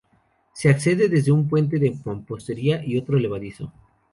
Se accede desde un puente de mampostería y otro levadizo.